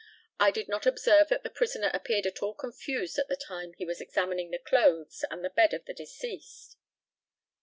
I did not observe that the prisoner appeared at all confused at the time he was examining the clothes and the bed of the deceased.